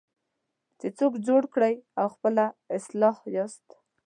چې څوک جوړ کړئ او خپله اصلاح یاست.